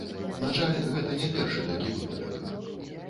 На жаль, гэта не першы такі выпадак.